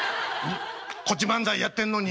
こっち漫才やってんのに。